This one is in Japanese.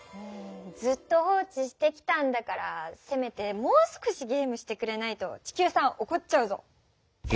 ずっと放置してきたんだからせめてもう少しゲームしてくれないと地球さんおこっちゃうぞ。